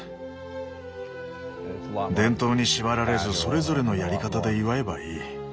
伝統に縛られずそれぞれのやり方で祝えばいい。